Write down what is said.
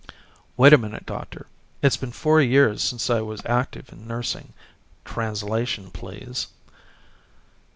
"Wait a minute, doctor. It's been four years since I was active in nursing. Translation, please."